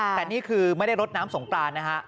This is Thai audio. แต่นี่คือไม่ได้รดน้ำสงกรานนะฮะ